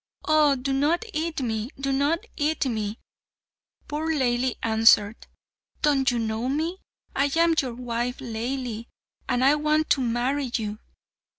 Oh, do not eat me; do not eat me!" Poor Laili answered, "Don't you know me? I am your wife Laili, and I want to marry you.